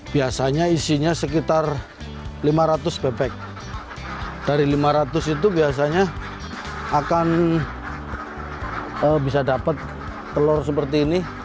biasanya isinya sekitar lima ratus bebek dari lima ratus itu biasanya akan bisa dapat telur seperti ini